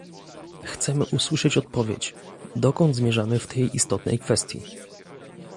Chcemy usłyszeć odpowiedź, dokąd zmierzamy w tej istotnej kwestii